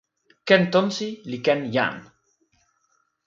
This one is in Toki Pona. ken tonsi li ken jan!